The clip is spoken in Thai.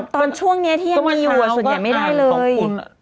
ตอนช่วงนี้ที่ยังมีอยู่ส่วนใหญ่ไม่ได้เลย